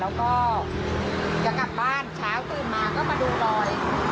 เช้าตื่นมาก็มาดูรอย